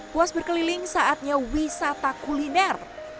puas berkeliling saatnya wisata kuliner